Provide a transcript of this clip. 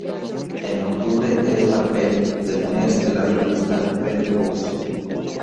En octubre es la pet del mes de la revista Penthouse.